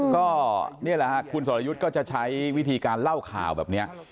ก็นี่แหละฮะคุณสรยุทธ์ก็จะใช้วิธีการเล่าข่าวแบบนี้